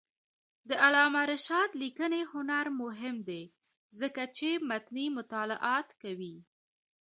د علامه رشاد لیکنی هنر مهم دی ځکه چې متني مطالعات کوي.